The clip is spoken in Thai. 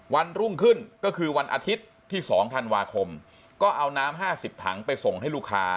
วันรุ่งขึ้นก็คือวันอาทิตย์ที่๒ธันวาคมก็เอาน้ำ๕๐ถังไปส่งให้ลูกค้า